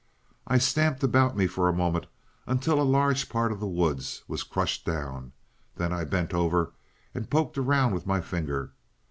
"I stamped about me for a moment until a large part of the woods was crushed down. Then I bent over and poked around with my finger.